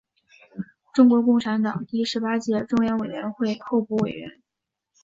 中国共产党第十八届中央委员会候补委员。